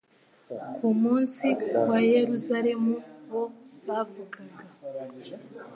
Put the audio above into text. ku munsi wa Yeruzalemu bo bavugaga